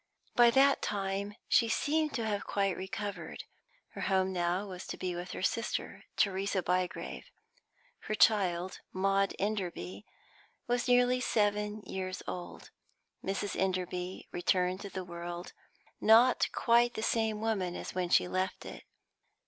By that time, she seemed to have quite recovered. Her home was now to be with her sister, Theresa Bygrave. Her child, Maud Enderby, was nearly seven years old. Mrs. Enderby returned to the world not quite the same woman as when she left it.